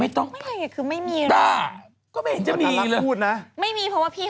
ไม่ต้องคือไม่มี